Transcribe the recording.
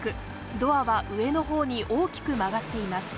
ドアは上のほうに大きく曲がっています。